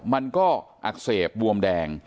มันก็อักเสบบวมแดง